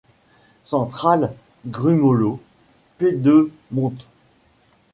Centrale, Grumolo Pedemonte.